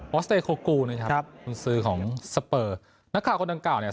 อสเตยโคกูนะครับครับคุณซื้อของสเปอร์นักข่าวคนดังกล่าวเนี่ย